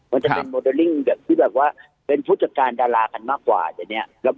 มันจะเป็นโมเดลลิ่งแบบที่แบบว่าเป็นผู้จัดการดารากันมากกว่าเดี๋ยวนี้